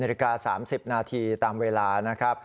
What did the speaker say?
นาฬิกา๓๐นาทีตามเวลานะครับ